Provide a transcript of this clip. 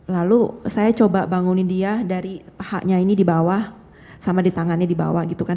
lalu saya coba bangunin dia dari pahaknya ini dibawah sama di tangannya dibawah gitu kan